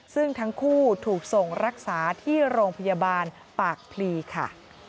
ซึ่งทั้งคู่ถูกส่งรักษาที่โรงพยาบาลปากพลีค่ะ